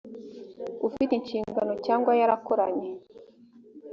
ufite inshingano cyangwa yarakoranye